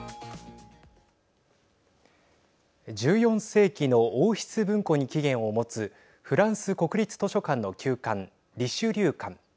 １４世紀の王室文庫に起源を持つフランス国立図書館の旧館リシュリュー館。